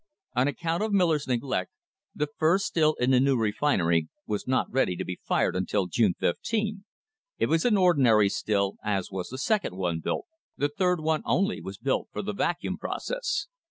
On account of Miller's neglect, the first still in the new refinery was not ready to be fired until June 15 it was an ordinary still, as was the second one built the third only was built for the Vacuum process.